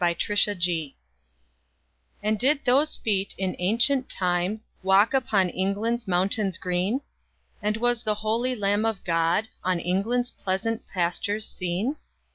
Y Z Jerusalem AND did those feet in ancient time Walk upon England's mountains green? And was the holy Lamb of God On England's pleasant pastures seen?